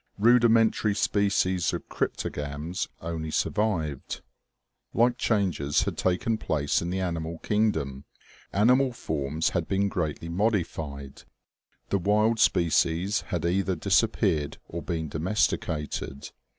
Rudimentary species of cryptogams only survived. Like changes had taken place in the animal kingdom. Animal forms had been greatly modified. The wild spe cies had either disappeared or been domesticated.